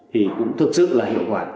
thì cũng thực sự là hiệu quả